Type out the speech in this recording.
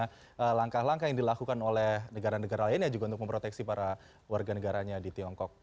karena langkah langkah yang dilakukan oleh negara negara lainnya juga untuk memproteksi para warga negaranya di tiongkok